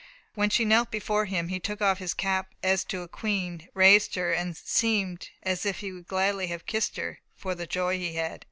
When she knelt before him, he took off his cap, as to a queen, raised her, and seemed "as if he gladly would have kissed her, for the joy he had."